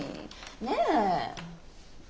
ねえ？